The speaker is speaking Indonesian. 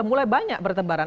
mulai banyak bertebaran